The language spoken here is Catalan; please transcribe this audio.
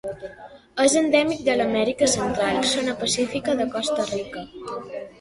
És endèmic de l'Amèrica Central: zona pacífica de Costa Rica.